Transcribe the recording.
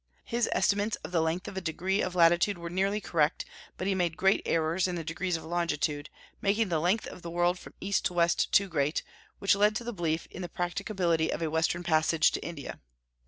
His estimates of the length of a degree of latitude were nearly correct; but he made great errors in the degrees of longitude, making the length of the world from east to west too great, which led to the belief in the practicability of a western passage to India.